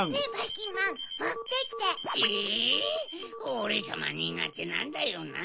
おれさまにがてなんだよな